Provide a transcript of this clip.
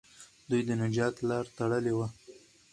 دوی د نجات لاره تړلې وه.